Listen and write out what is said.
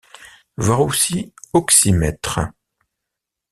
Voir aussi Oxymètre.